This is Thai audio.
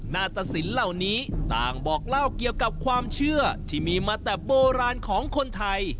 ตสินเหล่านี้ต่างบอกเล่าเกี่ยวกับความเชื่อที่มีมาแต่โบราณของคนไทย